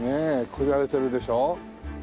こじゃれてるでしょ。